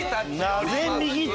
なぜ右手？